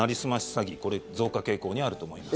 詐欺、これ増加傾向にあると思います。